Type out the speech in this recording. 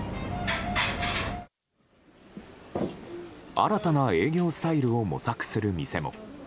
新たな営業スタイルを模索する店も。